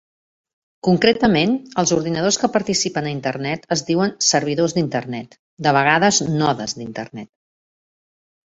Concretament, els ordinadors que participen a Internet es diuen servidors d'Internet, de vegades nodes d'Internet.